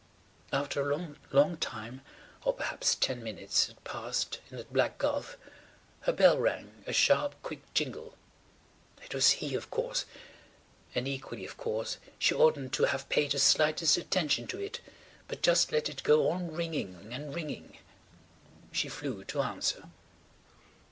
After a long long time (or perhaps ten minutes) had passed in that black gulf her bell rang a sharp quick jingle. It was he, of course. And equally, of course, she oughtn't to have paid the slightest attention to it but just let it go on ringing and ringing. She flew to answer.